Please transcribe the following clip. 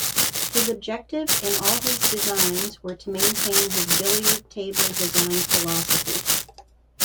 His objective in all his designs were to maintain his "billiard table" design philosophy.